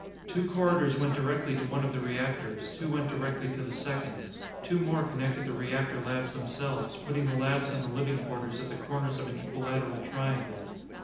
Two corridors went directly to one of the reactors, two went directly to the second. Two more connected the reactor labs themselves, putting the labs and the living quarters at the corners of an equilateral triangle.